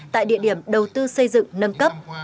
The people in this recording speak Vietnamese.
tại địa điểm đầu tư xây dựng nâng cấp